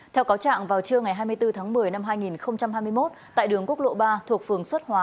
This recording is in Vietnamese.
theo cáo trạng vào trưa ngày hai mươi bốn tháng một mươi năm hai nghìn hai mươi một tại đường quốc lộ ba thuộc phường xuất hóa